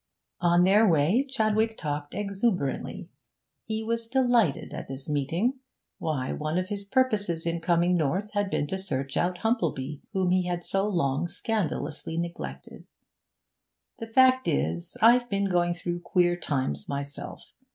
On their way Chadwick talked exuberantly. He was delighted at this meeting; why, one of his purposes in coming north had been to search out Humplebee, whom he had so long scandalously neglected. 'The fact is, I've been going through queer times myself.